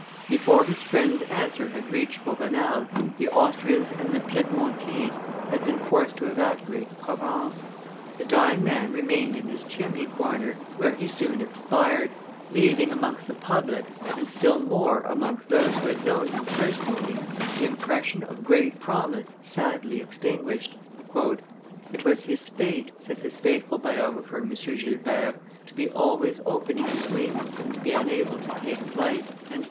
Before his friend's answer had reached Vauvenargues, the Austrians and the Piedmontese had been forced to evacuate Provence; the dying man remained in his chimney corner, where he soon expired, leaving amongst the public, and still more amongst those who had known him personally, the impression of great promise sadly extinguished. "It was his fate," says his faithful biographer, M. Gilbert, "to be always opening his wings and to be unable to take flight."